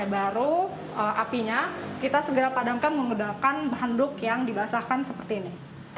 baru apinya kita segera padamkan menggunakan handuk yang dibasahkan seperti ini